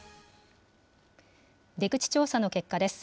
出口調査の結果です。